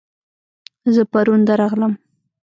زه پرون درغلم